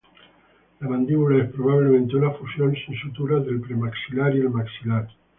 La mandíbula es probablemente una fusión sin suturas del premaxilar y el maxilar.